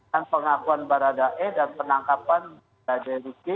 dan pengakuan baradae dan penangkapan brigadir riki